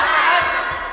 jangan lupa berusaha